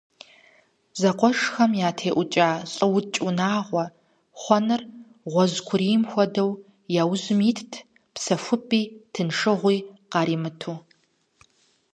Зэкъуэшхэм ятеӀукӀа «лӀыукӀ унагъуэ» хъуэныр гъуэжькуийм хуэдэу, я ужьым итт, псэхупӀи тыншыгъуи къаримыту.